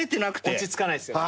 落ち着かないっすよね。